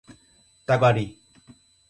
Taquari